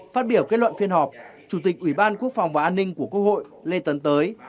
phát biểu kết luận phiên họp chủ tịch ủy ban quốc phòng và an ninh của quốc hội lê tấn tới